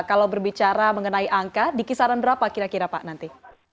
kalau berbicara mengenai angka di kisaran berapa kira kira pak nanti